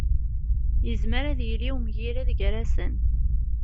Yezmer ad yili umgired gar-asen.